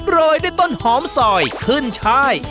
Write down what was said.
โรยด้วยต้นหอมซอยขึ้นช่าย